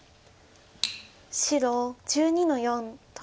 白１２の四取り。